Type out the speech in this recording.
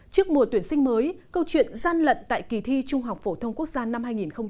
trước mùa tuyển sinh mới câu chuyện gian lận tại kỳ thi trung học phổ thông quốc gia năm hai nghìn một mươi tám